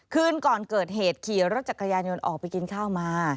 คืนก่อนเกิดเหตุขี่รถจักรยานยนต์ออกไปกินข้าวมา